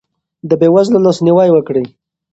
د بې وزلو لاسنیوی وکړئ.